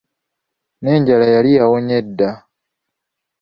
N'enjala yali yawonye dda.